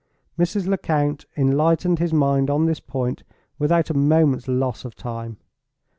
Mrs. Lecount enlightened his mind on this point, without a moment's loss of time.